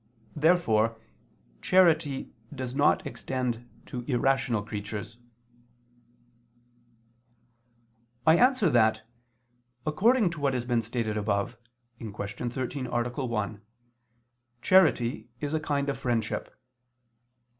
Therefore charity does not extend to irrational creatures. I answer that, According to what has been stated above (Q. 13, A. 1) charity is a kind of friendship.